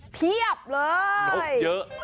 เพียบเลยเยอะ